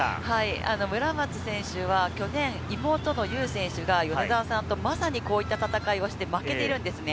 村松選手は去年、妹の結選手が米澤さんとまさにこういった戦いをして負けているんですね。